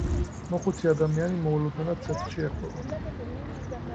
მოხუცი ადამიანი მოულოდნელად ცეცხლში ეხვევა.